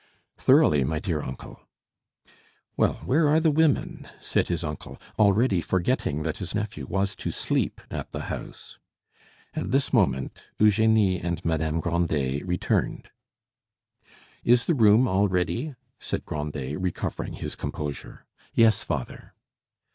"Thoroughly, my dear uncle." "Well, where are the women?" said his uncle, already forgetting that his nephew was to sleep at the house. At this moment Eugenie and Madame Grandet returned. "Is the room all ready?" said Grandet, recovering his composure. "Yes, father."